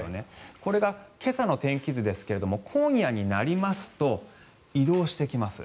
これが、今朝の天気図ですが今夜になりますと移動してきます。